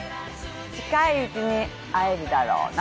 近いうちに会えるだろうな。